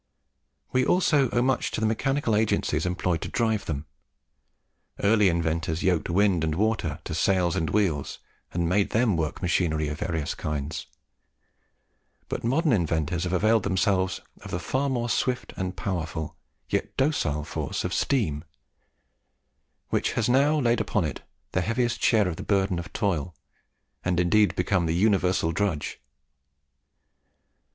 We also owe much to the mechanical agencies employed to drive them. Early inventors yoked wind and water to sails and wheels, and made them work machinery of various kinds; but modern inventors have availed themselves of the far more swift and powerful, yet docile force of steam, which has now laid upon it the heaviest share of the burden of toil, and indeed become the universal drudge.